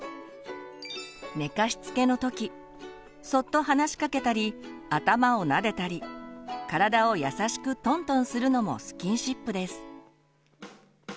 寝かしつけの時そっと話しかけたり頭をなでたり体を優しくトントンするのもスキンシップです。